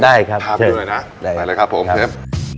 ได้ครับทำดูเลยน่ะได้ไปเลยครับผมครับ